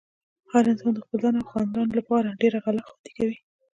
هر انسان د خپل ځان او خاندان لپاره ډېره غله خوندې کوي۔